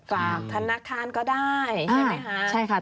ธนาคารก็ได้ใช่ไหมคะ